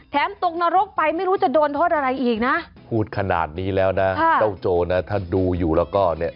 ตกนรกไปไม่รู้จะโดนโทษอะไรอีกนะพูดขนาดนี้แล้วนะเจ้าโจรนะถ้าดูอยู่แล้วก็เนี่ย